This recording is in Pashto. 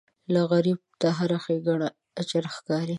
غریب ته هره ښېګڼه اجر ښکاري